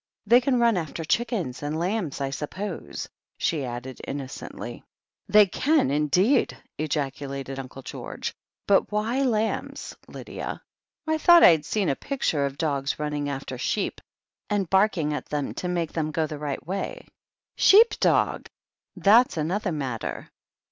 "They can run after chickens and lambs, I suppose," she added innocently. They can indeed!" ejaculated Uncle George. But why lambs, Lydia ?" "I thought I'd seen pictures of dogs running after sheep, and barking at them to make them go the right way." "Sheep dog! That's another matter.